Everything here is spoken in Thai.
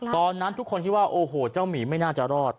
ตอนนั้นทุกคนคิดว่าโอ้โหเจ้าหมีไม่น่าจะรอด